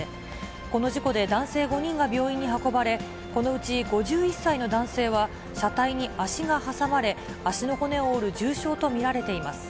この事故で、男性５人が病院に運ばれ、このうち５１歳の男性は、車体に足に挟まれ、足の骨を折る重傷と見られています。